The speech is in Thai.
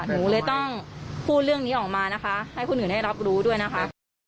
หนูเลยต้องพูดเรื่องนี้ออกมานะคะให้คนอื่นได้รับรู้ด้วยนะคะ